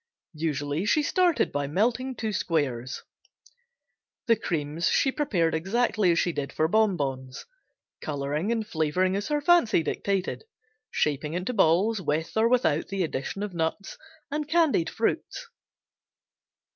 Usually she started by melting two squares. The creams she prepared exactly as she did for "Bon Bons," coloring and flavoring as her fancy dictated, shaping into balls with or without the addition of nuts and candied fruits.